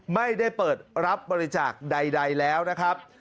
ไม่ได้เปิดรับบริจาคใดแล้วนะครับ